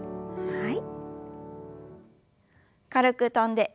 はい。